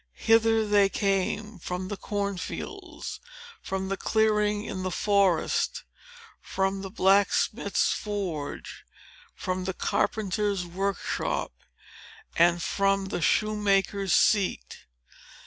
Hither they came, from the corn fields, from the clearing in the forest, from the blacksmith's forge, from the carpenter's workshop, and from the shoemaker's seat.